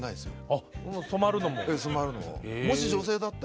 あっ染まるのも。